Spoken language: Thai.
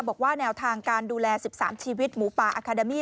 บอกว่าแนวทางการดูแล๑๓ชีวิตหมูป่าอาคาเดมี่